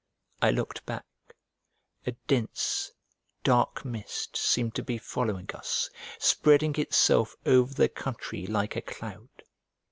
I looked back; a dense dark mist seemed to be following us, spreading itself over the country like a cloud.